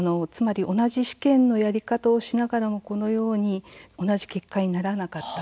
同じ試験のやり方をしながらこのように同じ結果にならなかった。